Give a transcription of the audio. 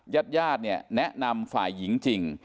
ญาติญาติเนี่ยแนะนำฝ่ายหญิงจริง